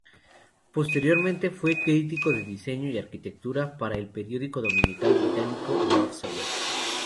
Posteriormente fue crítico de diseño y arquitectura para el periódico dominical británico "The Observer".